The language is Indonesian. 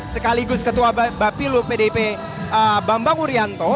sekaligus ketua bapilu pdip bambang urianto